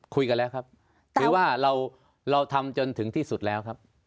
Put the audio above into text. คุยกันแล้วครับคือว่าเราทำจนถึงที่สุดแล้วครับ